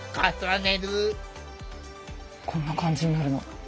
こんな感じになるの。